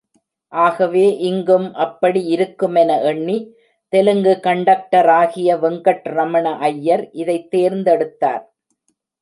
ஆகவே இங்கும் அப்படி இருக்குமென எண்ணி தெலுங்கு கண்டக்டராகிய வெங்கட்ரமண ஐயர், இதைத் தேர்ந்தெடுத்தார்.